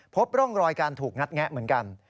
พบร่องรอยการถูกงัดแงะเหมือนกัน